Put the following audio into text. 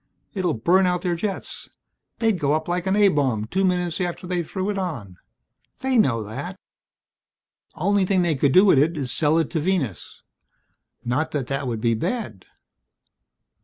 It'll burn out their jets. They'd go up like an A bomb two minutes after they threw it on. They know that. Only thing they could do with it is sell it to Venus. Not that that would be bad.